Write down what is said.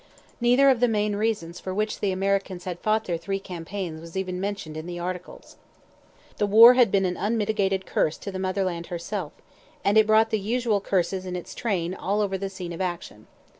Neither of the main reasons for which the Americans had fought their three campaigns was even mentioned in the articles. The war had been an unmitigated curse to the motherland herself; and it brought the usual curses in its train all over the scene of action.